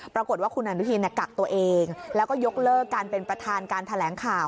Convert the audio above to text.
ปรากฏว่าคุณอนุทินกักตัวเองแล้วก็ยกเลิกการเป็นประธานการแถลงข่าว